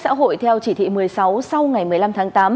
xã hội theo chỉ thị một mươi sáu sau ngày một mươi năm tháng tám